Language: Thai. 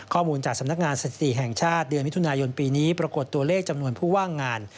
ข้อมูลจากสำนักงานสถิติแห่งชาติเดือนมิถุนายนปีนี้ปรากฏตัวเลขจำนวนผู้ว่างงาน